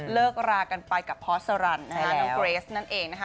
เลิกรากันไปกับพอสรันนะคะน้องเกรสนั่นเองนะคะ